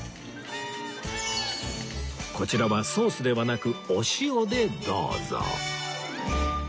こちらはソースではなくお塩でどうぞ